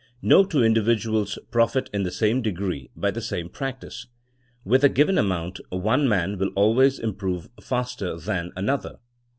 No two individuals profit in the same degree by the same practice. With a given amount one man will always improve faster than another.